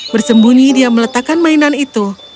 bersembunyi dia meletakkan mainan itu